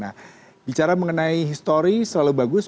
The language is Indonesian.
nah bicara mengenai histori selalu bagus